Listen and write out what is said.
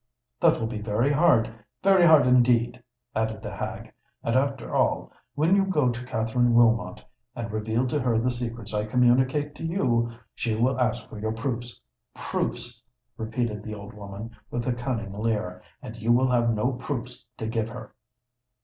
"That will be very hard—very hard indeed," added the hag. "And after all, when you go to Katherine Wilmot and reveal to her the secrets I communicate to you, she will ask you for proofs—proofs," repeated the old woman, with a cunning leer; "and you will have no proofs to give her."